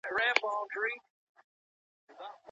موټر سایکل بې ږغه نه وي.